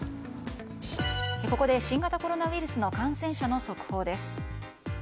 ここで新型コロナウイルスの感染者の速報です。